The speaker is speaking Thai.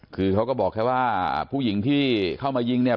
คือเขาก็บอกแค่ว่าผู้หญิงที่เข้ามายิงเนี่ย